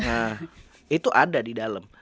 nah itu ada di dalam